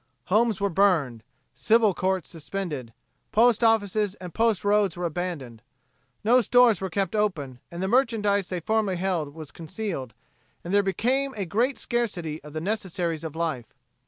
Homes were burned. Civil courts suspended. Post offices and post roads were abandoned. No stores were kept open and the merchandise they formerly held was concealed, and there became a great scarcity of the necessaries of life.